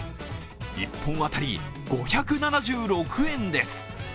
１本当たり５７６円です。